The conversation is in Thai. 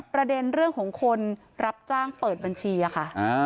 ประเด็นเรื่องของคนรับจ้างเปิดบัญชีค่ะ